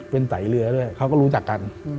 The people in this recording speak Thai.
เป็นไตเรือด้วยเขาก็รู้จักกัน